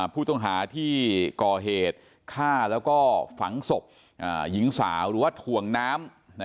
ผู้ต้องหาที่ก่อเหตุฆ่าแล้วก็ฝังศพหญิงสาวหรือว่าถ่วงน้ำ